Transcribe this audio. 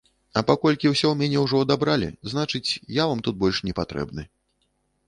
А паколькі ўсё ў мяне ўжо адабралі, значыць, я вам тут больш не патрэбны.